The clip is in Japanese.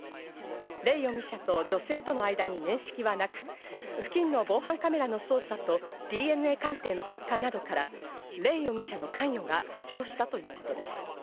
レ容疑者と女性との間に面識はなく、付近の防犯カメラの捜査とＤＮＡ鑑定の結果などからレ容疑者の関与が浮上したということです。